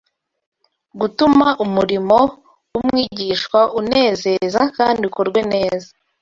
gutuma umurimo w’umwigishwa unezeza kandi ukorwe neza.